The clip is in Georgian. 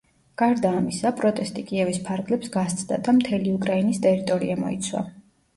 გარდა ამისა, პროტესტი კიევის ფარგლებს გასცდა და მთელი უკრაინის ტერიტორია მოიცვა.